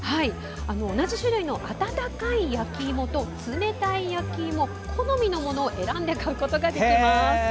同じ種類の温かい焼きいもと冷たい焼きいも好みのものを選んで買うことができます。